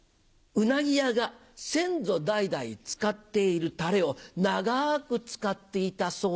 うなぎ屋が先祖代々使っているタレを長く使っていたそうだ。